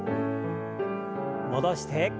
戻して。